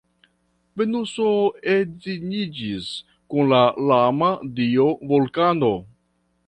Venuso edziniĝis kun la lama dio Vulkano.